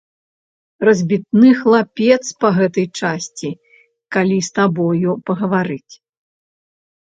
Разбітны хлапец па гэтай часці, калі з табою пагаварыць.